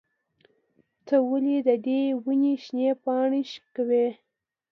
ته ولې د دې ونې شنې پاڼې شوکوې؟